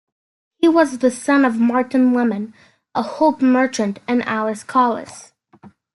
He was the son of Martin Lemon, a hop merchant, and Alice Collis.